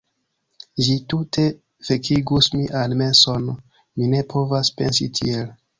Ĝi tute fekigus mian menson, mi ne povas pensi tiel.